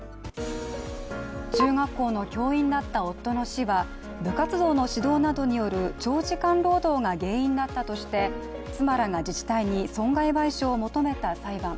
中学校の教員だった夫の死は部活動の指導などによる長時間労働が原因だったとして妻らが自治体に損害賠償を求めた裁判。